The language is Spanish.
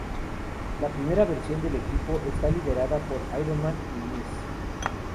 La primera versión del equipo está liderada por Iron Man y Ms.